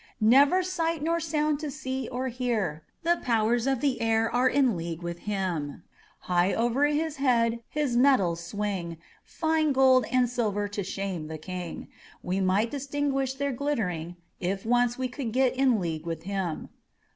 Never sight nor sound to see or hear; The powers of the air are in league with him; High over his head his metals swing, Fine gold and silver to shame the king; We might distinguish their glittering, If once we could get in league with him.